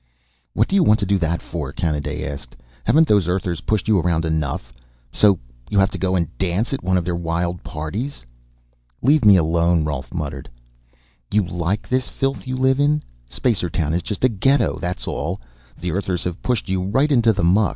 "What do you want to do that for?" Kanaday asked. "Haven't those Earthers pushed you around enough, so you have to go dance at one of their wild parties?" "Leave me alone," Rolf muttered. "You like this filth you live in? Spacertown is just a ghetto, that's all. The Earthers have pushed you right into the muck.